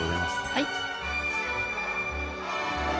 はい。